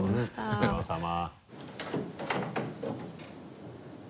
お世話さま。